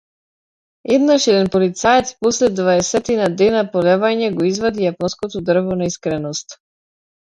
Еднаш еден полицаец, после дваесетина дена полевање, го извади јапонското дрво на искреноста.